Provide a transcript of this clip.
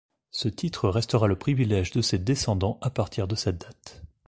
Ce titre restera le privilège de ses descendants à partir de cette date.